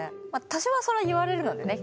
多少はそれは言われるのでね